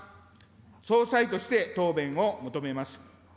総裁として答弁を求めます。